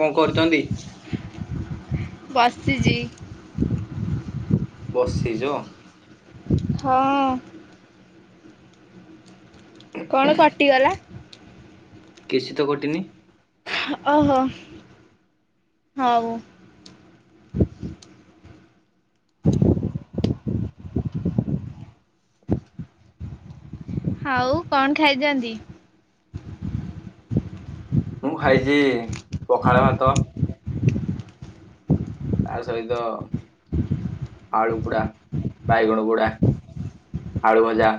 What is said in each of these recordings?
କଣ କରୁଛନ୍ତି ବସ୍ତି ଜି ବଶିଯ ହଁ। କଣ କଟିଗଲା? କିଛି ତ କଟିିନି। ଓହୋ ହଉ। [inaudible] ଆଉ କଣ ଖାଇଛନ୍ତି? ମୁଁ ଖାଇଛି ପଖାଳ ଭାତ ତା ସହିତ ଆଳୁ ପୋଡା ବାଇଗଣ ପୋଡା, ଆଳୁ ଭଜା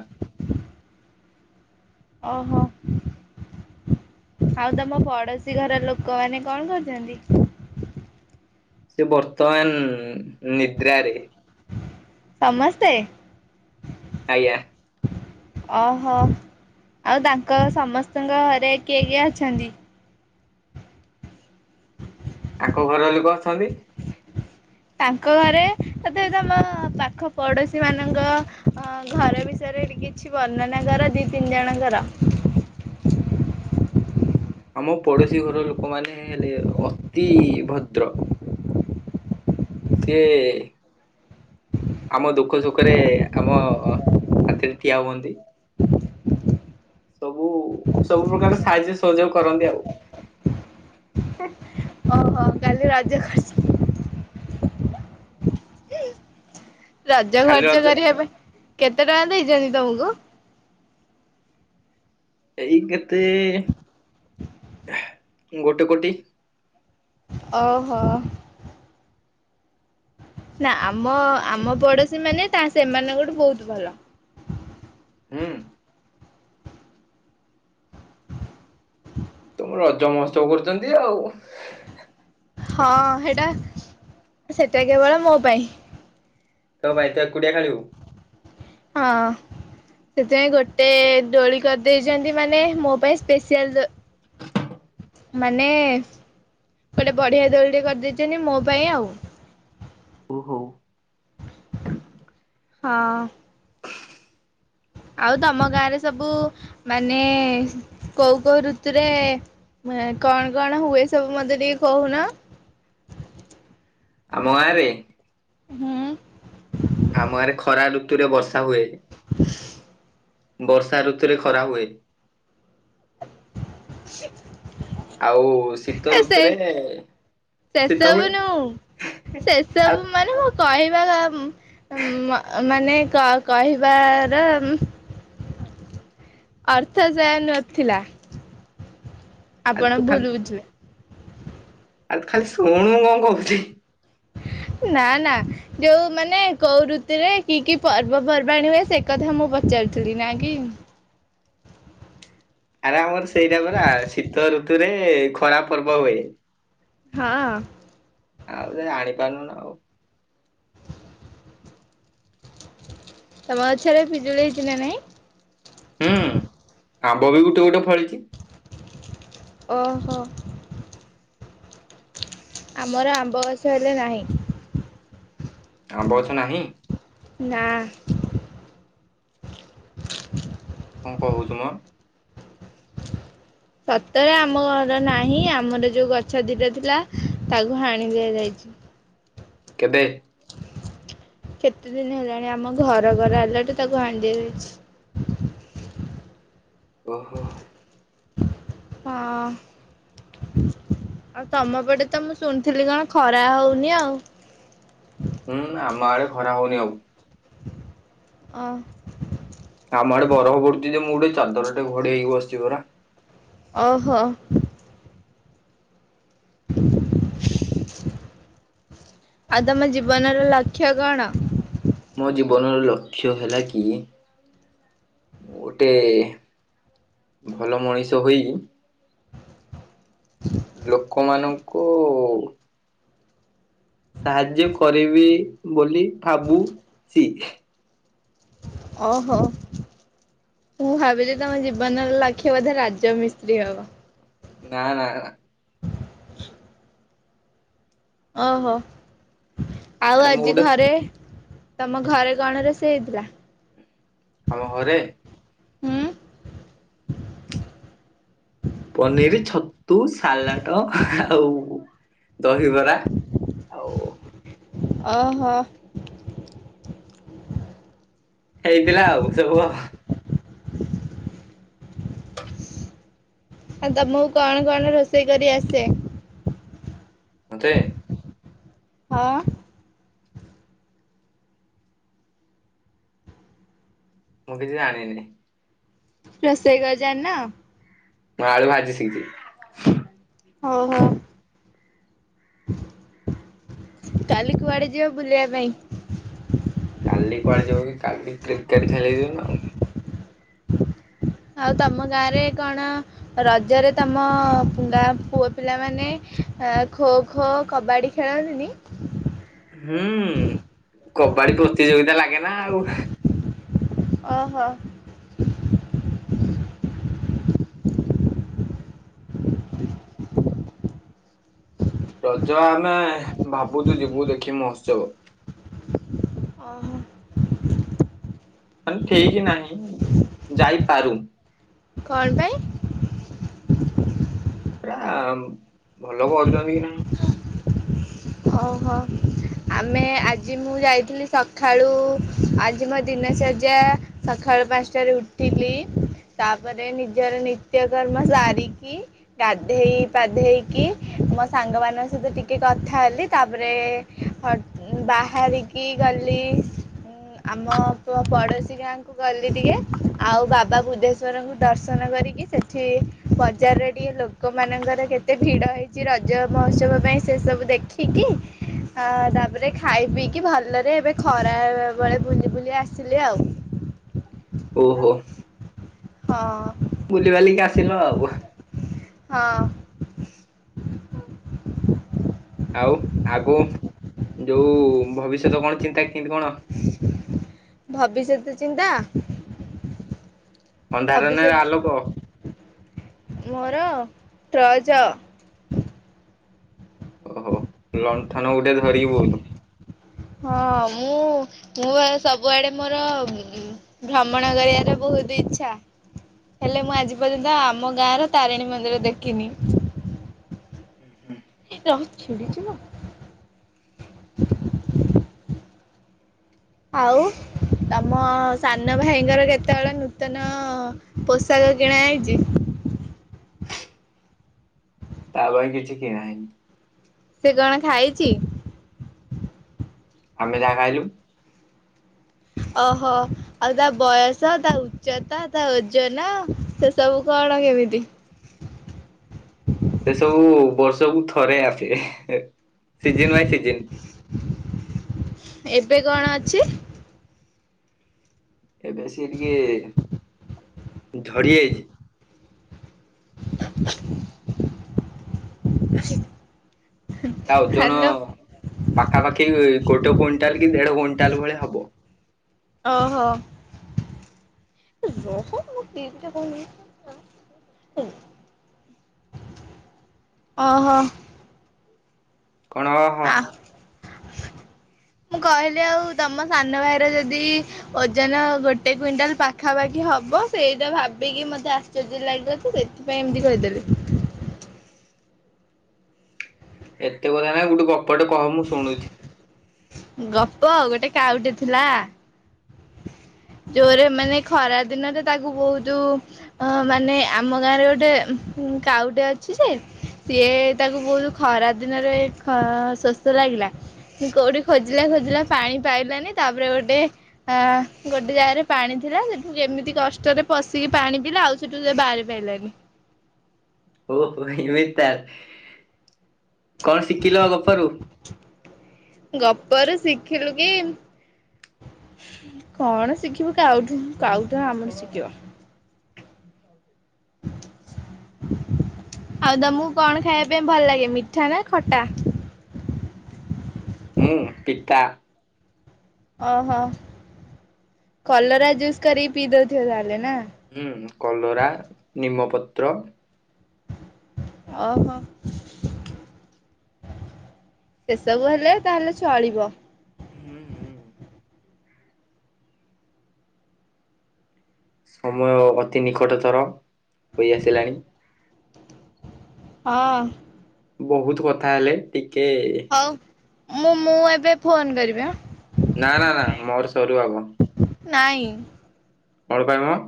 ଓହ। ଆଉ ତମ ପଡୋଶୀ ଘର ଲୋକମାନେ କଣ କରୁଛନ୍ତି? ସେ ବର୍ତ୍ତମାନ ନିଦ୍ରାରେ ସମସ୍ତେ ଆଜ୍ଞା। ଓହୋ ଆଉ ତାଙ୍କ ସମସ୍ତଙ୍କ ଘରେ କିଏ କିଏ ଅଛନ୍ତି? ତାଙ୍କ ଘର ଲୋକ ଅଛନ୍ତି। ତାଙ୍କ ଘରେ ତଥାପି ତମ ପାଖ ପଡୋଶୀ ମାନଙ୍କ ଅ ଘର ବିଷୟରେ କିଛି ବର୍ଣ୍ଣନା କର ଦି ତିନି ଜଣଙ୍କର। ଆମ ପଡୋଶୀ ଘର ଲୋକମାନେ ହେଲେ ଅତି ଭଦ୍ର। ସିଏ ଆମ ଦୁଃଖ ସୁଖରେ ଆମ ସାଥିରେ ଠିଆ ହୁଅନ୍ତି। ସବୁ ସବୁ ପ୍ରକାର ସାହାଯ୍ୟ ସହଯୋଗ କରନ୍ତି ଆଉ। ଓହୋ କାଲି ରଜଖର୍ଚ ରଜ ଖାଲି ଖର୍ଚ୍ଚ ରଜ କରି ହେବେ କେତେ ଟଙ୍କା ଦେଇଛନ୍ତି ତମକୁ? ଏଇ କେତେ ଗୋଟେ କୋଟି ଓହୋ। ନା ଆମ ଆମ ପଡୋଶୀ ମାନେ ତା ସେମାନଙ୍କଠୁ ବହୁତ ଭଲ। ହଁ। ତମ ରଜ ମହୋତ୍ସବ କରୁଛନ୍ତି ଆଉ। ହଁ ହେଟା ସେଟା କେବଳ ମୋ ପାଇଁ ତୋ ପାଇଁ ତୁ ଏକୁଡିଆ ଖେଳିବୁ। ହଁ ସେଥିପାଇଁ ଗୋଟେ ଦୋଳି କରିଦେଇଛନ୍ତି ମାନେ ମୋ ପାଇଁ ସ୍ପସିଆଲ ମାନେ ଗୋଟେ ବଢିଆ ଦୋଳିରେ କରିଦେଇଛନ୍ତି ମୋ ପାଇଁ ଆଉ। ଓହୋ ହଁ। ଆଉ ତମ ଗାଁରେ ସବୁ ମାନେ କୋଉ କୋଉ ଋତୁରେ କଣ କଣ ହୁଏ ସବୁ ମତେ ଟିକେ କହୁନ? ଆମ ଗାଁ ରେ ହୁଁ। ଆମ ଗାଁ ରେ ଖରା ଋତୁରେ ବସା ହୁଏ। ବର୍ଷା ଋତୁରେ ଖରା ହୁଏ। ଆ [inaudible] ଆଉ ଶୀତ ଋତୁରେ ଶୀତ ସେସବୁ ନୁ ମଳେ ଆଉ ବା ବା ମ ମ ମାନେ କ କ କହିବାର ଅର୍ଥ ସେଆନଥିଲା। ଆପଣ ଭୁଲ ବୁଝିବେ। ଆରେ ତୁ ଖାଲି ଶୁଣୁ ମୁଁ କଣ କହୁଛି। ନା ନା ଯୋଉ ମାନେ କୋଉ ଋତୁରେ କି କି ପର୍ବପର୍ବାଣୀ ହୁଏ ସେ କଥା ମୁଁ ପଚାରୁଥିଲି ନା କି ଆରେ ଆମର ସେଇଟା ପରା ଶୀତ ଋତୁ ତୁ ରେ ଖରା ପର୍ବ ହୁଏ। ହଁ। ଆଉ ତୁ ଜାଣିପାରୁନୁ ଆଉ। ତମ ଗଛରେ ପିଜୁଳି ହେଇଛି ନା ନାଇଁ। ହୁଁ। ଆମ୍ବ ବି ଗୋଟେ ଗୋଟେ ଫଳିଛି। ଓ ହୋ ଆମର ଆମ୍ବ ଗଛ ହେଲେ ନାହିଁ। ଆମ୍ବ ଗଛ ନାହିଁ। ନା। କଁ କହୁଛୁ ମ । ସତରେ ଆମ ଘରେ ନାହିଁ ଆମର ଯୋଉ ଗଛ ଦିଟା ଥିଲା ତାକୁ ହାଣି ଦିଆଯାଇଛି । କେବେ? କେତେ ଦିନ ହେଲାଣି ଆମ ଘର କରାହେଲାଟୁ ତାକୁ ହାଣିଦିଆଯାଇଛି। ଓ ହୋ। ହଁ ଆଉ ତମ ପଟେ ତ ମୁଁ ଶୁଣିଥିଲି କଣ ଖରା ହଉନି ଆଉ। ହୁଁ ଆମ ଆଡେ ଖରା ହଉନି ଆଉ। ଓ । ଆମ ଆଡେ ବରଫ ପଡୁଛି ଯେ ମୁଁ ଗୋଟେ ଚାଦର ଟେ ଘୋଡେଇ ହେଇକି ବସିଛି ପରା। ଓ ହୋ। ଆଉ ତମ ଜୀବନର ଲକ୍ଷ୍ୟ କଣ? ମୋ ଜୀବନର ଲକ୍ଷ୍ୟ ହେଲା କି ଗୋଟେ ଭଲ ମଣିଷ ହୋଇ ଲୋକମାନଙ୍କୁ ସାହାଯ୍ୟ କରିବି ବୋଲି ଭାବୁଛି। ଓ ହୋ ମୁଁ ଭାବିଲି ତମ ଜୀବନର ଲକ୍ଷ୍ୟ ବୋଧେ ରାଜ ମିସ୍ତ୍ରୀ ହବ। ନା ନା ନା। [unintelligible] ଓ ହୋ। ଆଉ ଆରେ ମୁଁ ଆଜି ଗୋଟେ ଘରେ ତମ ଘରେ କଣ ରୋଷେଇ ହେଇଥିଲା? ଆମ ଘରେ? ହୁଁ ପନିର ଛତୁ ସାଲାଟ୍ ଆଉ ଦହିବରା ଆଉ ଓ ହୋ। ହେଇଥିଲା ଆଉ ସବୁ ଆଉ। ଆଉ ତମକୁ କଣ କଣ ରୋଷେଇ କରି ଆସେ? ମତେ? ହଁ। ମୁଁ କିଛି ଜାଣିନି। ରୋଷେଇ କଣ ଜାଣିନ? ମୁଁ ଆଳୁ ଭାଜି ଶିଖିଛି। ହଉ ହଉ। କାଲି କୁଆଡେ ଯିବ ବୁଲିବା ପାଇଁ? କାଲି କୁଆଡେ ଯିବ କି କାଲି? କ୍ରିକେଟ ଖେଳିବି ନା ଆଉ। ଆଉ ତମ ଗାଁରେ କଣ ରଜରେ ତମ ଗାଁ ପୁଅ ପିଲାମାନେ ଖୋ ଖୋ କବାଡି ଖେଳନ୍ତିନି? ହୁଁ କବାଡି ପ୍ରତିଯୋଗିତା ଲାଗେ ଗେ ନା ଆଉ। ଓହୋ। ରଜ ଆମେ ଭାବୁଛୁ ଯିବୁ ଦେଖି ମହୋତ୍ସବ। ଓହୋ ମାନେ ଠିକ ନାହିଁ ଯାଇପାରୁ। କଣ ପାଇଁ? ପା ଭଲ କରୁଛନ୍ତି କି ନାଇଁ। ଓହୋ ଆମେ ଆଜି ମୁଁ ଯାଇଥିଲି ସକାଳୁ ଆଜି ମୋ ଦିନଚଯ୍ୟା ସକାଳୁ ପାଞ୍ଚଟାରେ ଉଠିଲି ତାପରେ ନିଜର ନିତ୍ୟକର୍ମ ସାରିକି ଗାଧେଇ ପାଧେଇକି ମୋ ସାଙ୍ଗମାନଙ୍କ ସହିତ ଟିକେ କଥା ହେଲି। ତାପରେ ବାହାରିକି ଗଲି ଆମ ପଡ଼ୋଶୀ ଗାଁକୁ ଗଲି ଟିକି ଆଉ ବାବା ବୁଧେଶୂରଙ୍କୁ ଦର୍ଶନ କରିକି ସେଠି ବଜାରରେ ଟିକେ ଲୋକମାନଙ୍କର କେତେ ଭିଡ଼ ହେଇଛି ରଜ ମହୋତ୍ସବ ପାଇଁ ସେସବୁ ଦେଖି ଠିକ ତାପରେ ଖାଇ ପିଇକି ଭଲରେ ଏବେ ଖରା ବେଳେ ବୁଲି ବୁଲି ଆସିଲି ଆଉ। ଓହୋ। ହଁ। ବୁଲିିବାଲିକି ଆସିଲ ଆଉ। ହଁ। ଆଉ ଆଗ ଯୋଉ ଭବିଷ୍ୟତ କଣ ଚିନ୍ତା? କେମିତି କଣ? ଭବିଷ୍ୟତ ଚିନ୍ତା। ଅନ୍ଧାର ନା ଭବିଷ୍ୟତ ଆଲୋକ? ମୋର ଟର୍ଚ୍ଚ। ଓହୋ ଲ ଣ୍ଠନ ଗୋଟେ ଧରିକି ବଇଲୁ। ହଁ ମୁଁ ମୁଁ ସବୁଆଡେ ମୋର ଭ୍ରମଣ କରିବାର ବହୁତ ଇଚ୍ଛା ହେଲେ ମୁଁ ଆଜି ପର୍ଯ୍ୟନ୍ତ ଆମ ଗାଁରେ ତାରିଣୀ ମନ୍ଦିର ଦେଖିନି। ରହ ଛିଣ୍ଡିଯିବ। ଆଉ ତମ ସାନ ଭାଇଙ୍କର କେତେବେଳେ ନୂତନ ପୋଷାକ କିଣା ହେଇଛି। ତା ପାଇଁ କିଛି କିଣା ହେଇନି। ସେ କଣ ଖାଇଚି? ଆମେ ଯାହା ଖାଇଲୁ। ଓହୋ ଆଉ ତା ବୟସ ତା ଉଚ୍ଚତା ତା ଓଜନ ସେ ସବୁ କଣ କେମିତି? ସେ ସବୁ ବର୍ଷକୁୁ ଥରେ ଆସେ। Season by season. ଏବେ କଣ ଅଛି? ଏବେ ସେ ଟିକେ ଝଡିଯାଇଛି। [inaudible] ତା ଓଜନ ହ୍ୟାଲୋ ପାଖାପାଖି ଗୋଟେ କୁଇଣ୍ଟାଲ କି ଦେଢ କୁଇଣ୍ଟାଲ ଣ୍ଟାଲ ଭଳିଆ ହବ। ଓହୋ। ରହ ମୋ କିଲିପିଟା କାଇଁ ନାଗୁଚୁ [inaudible] ଓ ହୋ। କଣ ଓହୋ? ମୁଁ କହିଲି ଆଉ ତମ ସାନ ଭାଇର ଯଦି ଓଜନ ଗୋଟେ କୁଇଣ୍ଟାଲ ପାଖାପାଖି ହବ ସେଇଟା ଭାବିକି ମତେ ଆଶ୍ଚର୍ଯ୍ୟ ଲାଗିବ ତ ସେଥିପାଇଁ ଏମତି କହିଦେଲି। ଏତେ କଥା କାଇଁ ଗୋଟେ ଗପଟେ କହ ମୁଁ ଶୁଣୁଚି। ଗପ ଗୋଟେ କାଉଟେ ଥିଲା। ଜୋରେ ମାନେ ଖରା ଦିନରେ ତାକୁ ଭୋଉ ଯୋ ଅ ମାନେ ଆମ ଗାଁରେ ଗୋଟେ ଉଁ କାଉଟେ ଅଛି ଯେ ସିଏ ତାକୁ ବୋହୁତ ଖରା ଦିନରେ ଖ ଶୋଷ ଲାଗିଲା କୋଉଠି ଖୋଜିଲା ଖୋଜିଲା ପାଣି ପାଇଲାନି ତାପରେ ଗୋଟେ ଅ ଗୋଟେ ଜାଗାରେ ପାଣି ଥିଲା ସେଠୁ କେମିତି କଷ୍ଟରେ ପଶିକି ପାଣି ପିଇଲା। ଆଉ ସେଠୁ ସେ ବାହାରି ପାଇଲାନି। ଓହୋ ଏମିତି ତାହେଲେ। କଣ ଶିଖିଲ ଗପରୁ? ଗପରୁ ଶିଖିଲୁ କି [inaudible] କଣ ଶିଖିବୁ କାଉଠୁ କାଉଟା ଆମଠୁ ଶିଖିବ। ଆଉ ତମୁକୁ କଣ ଖାଇବା ପାଇଁ ଭଲ ଲାଗେ ମିଠା ନାଁ ଖଟା? ମୁଁ ପିତା। ଅ ହ। କଲରା ଜୁସ୍ କରିକି ପିଇଦୋଉଥିବ ତାହେଲେ ନାଁ? ହୁଁ କଲରା ନିମପତ୍ର ଓହୋ [inaudible] ସେସବୁ ହେଲେ ତାହେଲେ ଚଳିବ। ହୁଁ ହୁଁ। ସମୟ ଅତି ନିକଟତର ହୋଇ ଆସିଲାଣି। ହଁ। ବୋହୁତ କଥା ହେଲେ ଟି କେ ହଉ। ମୁଁ ମୁଁ ଏବେ ଫୋନ କରିବି ଆଁ। ନାଁ ନାଁ ନାଁ ନାଁ ମୋର ସରୁ ଆଗ। ନାଇଁ [inaudible] କଣ ପାଇଁ ମ?